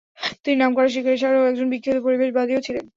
তিনি নামকরা শিকারী ছাড়াও একজন বিখ্যাত পরিবেশবাদীও ছিলেন।